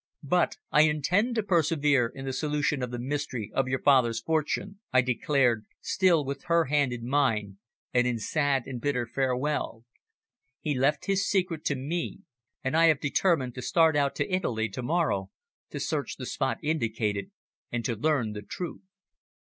"But I intend to persevere in the solution of the mystery of your father's fortune," I declared, still with her hand in mine, in sad and bitter farewell. "He left his secret to me, and I have determined to start out to Italy to morrow to search the spot indicated, and to learn the truth."